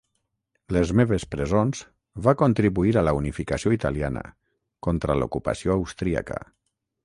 "Les meves presons" va contribuir a la unificació italiana, contra l'ocupació austríaca.